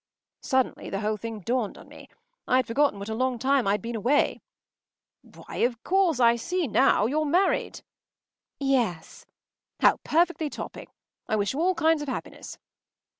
” Suddenly the whole thing dawned on me. I had forgotten what a long time I had been away. “Why, of course, I see now! You’re married!” “Yes.” “How perfectly topping! I wish you all kinds of happiness.